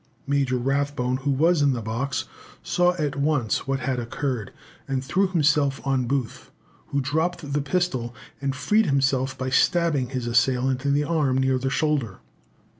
Major Rathbone, who was in the box, saw at once what had occurred, and threw himself on Booth, who dropped the pistol, and freed himself by stabbing his assailant in the arm, near the shoulder.